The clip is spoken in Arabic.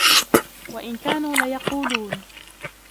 وَإِنْ كَانُوا لَيَقُولُونَ